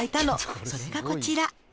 「それがこちら」